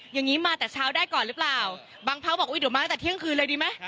อย่างนี้มาแต่เช้าได้ก่อนหรือเปล่าบางพักบอกอุ๊ยเดี๋ยวมาตั้งแต่เที่ยงคืนเลยดีไหม